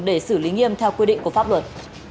để xử lý nghiêm theo quy định của pháp luật